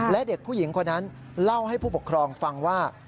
และเด็กผู้หญิงคนนั้นเล่าให้ผู้ปกครองฟังว่า